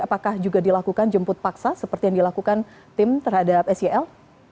apakah juga dilakukan jemput paksa seperti yang dilakukan tim terhadap sel